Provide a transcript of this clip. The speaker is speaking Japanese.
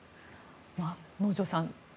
能條さん